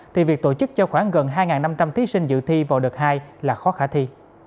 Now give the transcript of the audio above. thì việc tổ chức cho khoảng gần hai năm trăm linh thí sinh dự thi vào đợt hai là khó khả thi